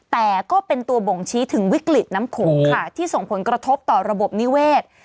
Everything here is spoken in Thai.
แต่ก็เป็นตัวบ่งชี้ถึงวิกฤตน้ำโขงค่ะที่ส่งผลกระทบต่อระบบนิเวศ